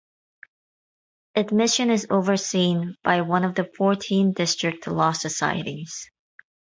Admission is overseen by one of the fourteen district law societies.